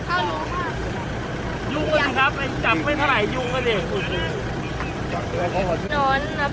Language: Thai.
คุณงานเห็นสองตัวนะ